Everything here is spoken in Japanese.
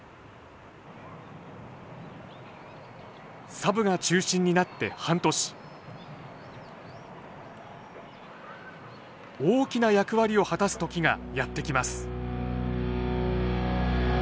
サブが中心になって半年大きな役割を果たす時がやってきます